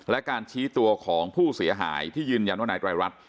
และการชี้ตัวของผู้เสียหายที่ยืนยันว่านายไตรรัฐ